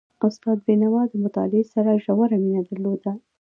استاد بينوا د مطالعې سره ژوره مینه درلودله.